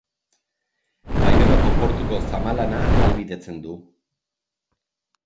Baionako portuko zama-lana ahalbideratzen du.